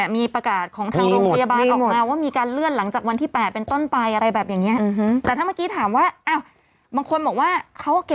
มีประกาศของทางโรงพยาบาลออกมาว่ามีการเลื่อนหลังจากวันที่๘เป็นต้นไปอะไรแบบนี้